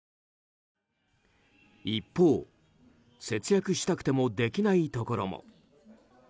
一方、節約したくてもできないところも。